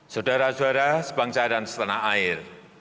saudara saudara sebangsa dan setanah air